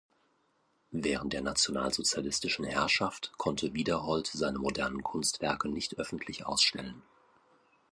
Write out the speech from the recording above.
Während der nationalsozialistischen Herrschaft konnte Wiederhold seine modernen Kunstwerke nicht öffentlich ausstellen.